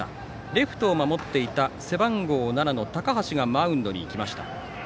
レフトを守っていた背番号７の高橋がマウンドに行きました。